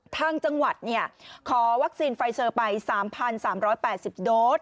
ทางจังหวัดขอวัคซีนไฟเซอร์ไป๓๓๘๐โดส